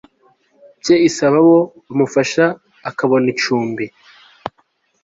cye isaba ko bamufasha akabona icumbi